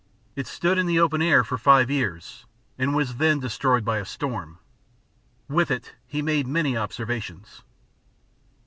It stood in the open air for five years, and then was destroyed by a storm. With it he made many observations.